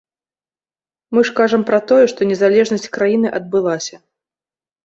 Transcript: Мы ж кажам пра тое, што незалежнасць краіны адбылася.